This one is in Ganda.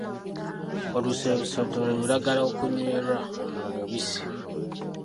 Olusereseeto lwe lulagala okunywerwa omubisi.